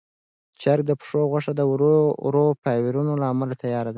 چرګ د پښو غوښه د ورو فایبرونو له امله تیاره ده.